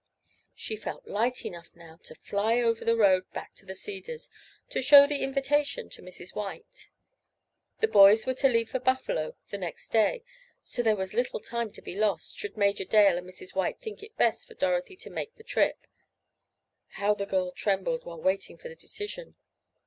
She felt light enough now to "fly" over the road back to the Cedars, to show the invitation to Mrs. White. The boys were to leave for Buffalo the next day, so there was little time to be lost, should Major Dale and Mrs. White think it best for Dorothy to make the trip. How the girl trembled while waiting for the decision.